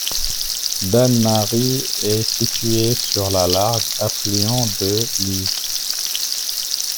Dannemarie est située sur la Largue, affluent de l'Ill.